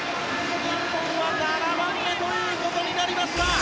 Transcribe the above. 日本は７番目ということになりました。